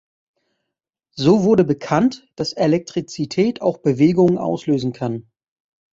So wurde bekannt, dass Elektrizität auch Bewegungen auslösen kann.